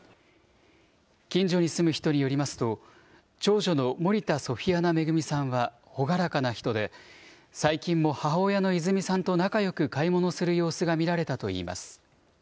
近所に住む人によりますと、長女の森田ソフィアナ恵さんはほがらかな人で、最近も母親の泉さんと仲よく買い物する様子が見られたといいます。